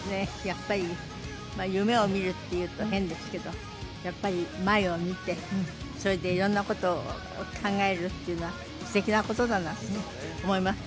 やっぱり夢を見るって言うと変ですけどやっぱり前を見てそれで色んなことを考えるっていうのは素敵なことだなって思います